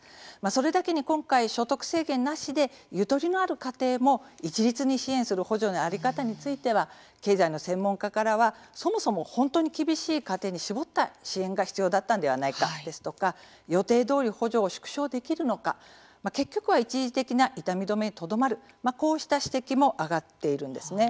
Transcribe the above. それだけに今回、所得制限なしでゆとりのある家庭も一律に支援する補助の在り方については経済の専門家からはそもそも本当に厳しい家庭に絞った支援が必要だったのではないかですとか予定どおり補助を縮小できるのか結局は一時的な痛み止めにとどまる、こうした指摘も上がっているんですね。